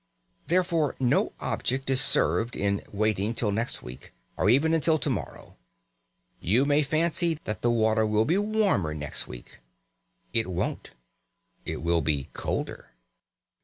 Therefore no object is served in waiting till next week, or even until to morrow. You may fancy that the water will be warmer next week. It won't. It will be colder.